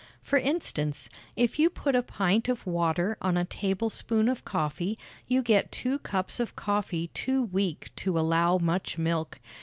For instance: If you put a pint of water on a tablespoonful of coffee, you get two cups of coffee too weak to allow much milk.